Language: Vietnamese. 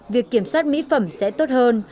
việc kiểm soát mỹ phẩm sẽ tốt hơn